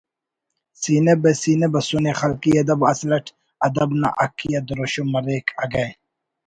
سینہ بہ سینہ بسنے خلقی ادب اسل اٹ ادب نا حقی آ دروشم مریک اگہ